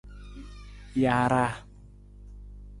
Jaaraa.